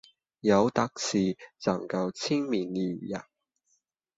有的是仍舊青面獠牙，